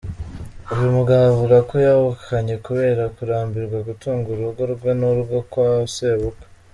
Uyu mugabo avuga ko yahukanye kubera kurambirwa gutunga urugo rwe n’urwo kwa sebukwe.